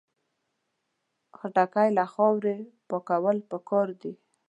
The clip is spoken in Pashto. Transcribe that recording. خټکی له خاورې پاکول پکار دي.